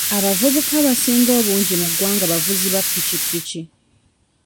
Abavubuka abasinga obungi mu ggwanga bavuzi ba pikipiki.